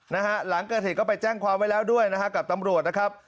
นะฮะหลังเกิดเหตุก็ไปแจ้งความไว้แล้วด้วยนะฮะกับตำรวจนะครับ